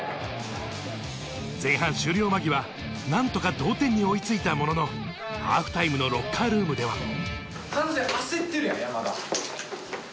前半終了間際、何とか同点に追いついたものの、ハーフタイムのロッカールームでは。